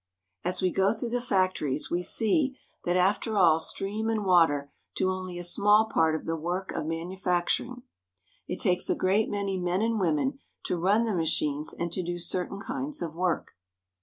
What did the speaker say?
As we go through the factories we see that, after all, steam and water do only a small part of the work of manu facturing. It takes a great many men and women to run the machines and to do certain kinds of work.